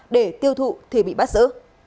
để tiêu thụ thì bị bắt giữ